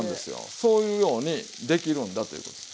そういうようにできるんだということです。